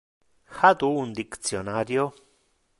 Ha tu un dictionario?